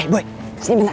eh boy sini bentar